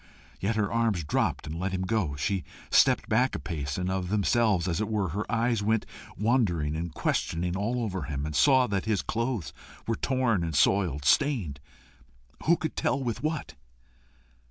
Yet her arms dropped and let him go. She stepped back a pace, and of themselves, as it were, her eyes went wandering and questioning all over him, and saw that his clothes were torn and soiled stained who could tell with what?